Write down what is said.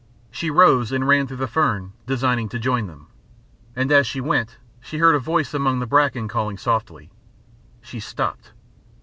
She rose, and ran through the fern, designing to join them. As she went she heard a voice among the bracken calling softly. She stopped.